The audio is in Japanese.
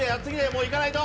もういかないと！